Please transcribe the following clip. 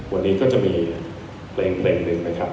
วันนี้ก็จะมีเพลงหนึ่งนะครับ